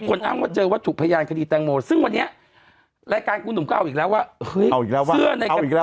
คุณทุกอย่างนี่นะมันมีเหตุและผล